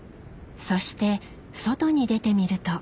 そして外に出てみると。